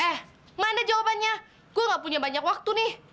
eh mana jawabannya gue gak punya banyak waktu nih